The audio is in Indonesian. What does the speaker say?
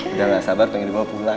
udah gak sabar pengen dibawa pulang